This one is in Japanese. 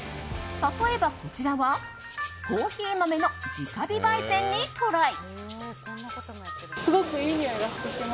例えば、こちらはコーヒー豆の直火焙煎にトライ。